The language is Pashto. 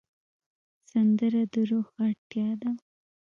سندره د روح اړتیا ده